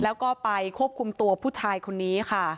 แล้วก็ไปควบคุมตัวผู้ชายคนนี้ค่ะ